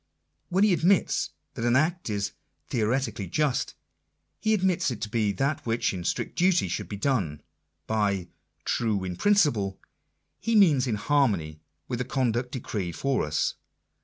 When he admits that an act is " theoretically just," he admits it to be that which, in strict duty, should be done. By " true in prin ciple," he means in harmony with the oonduct decreed for us.